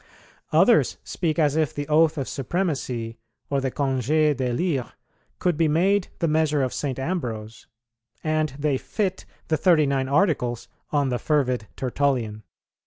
Others speak as if the oath of supremacy or the congé d'élire could be made the measure of St. Ambrose, and they fit the Thirty nine Articles on the fervid Tertullian.